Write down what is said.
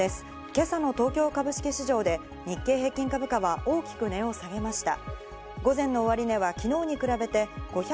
今朝の東京株式市場で日経平均株価は大きく値を下げました。